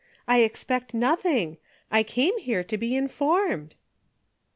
I expect nothing. I came here to be informed."